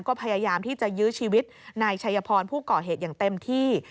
ก็พยายามที่จะยื้อชีวิตนายชัยพรผู้ก่อเหตุอย่างเต็มที่